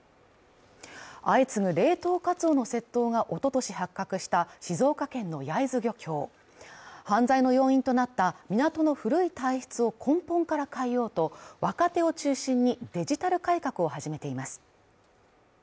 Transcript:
相次ぐ冷凍カツオの窃盗がおととし発覚した静岡県の焼津漁協犯罪の要因となった港の古い体質を根本から変えようと若手を中心にデジタル改革を始めています